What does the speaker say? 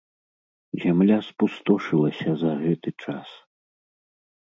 Зямля спустошылася за гэты час.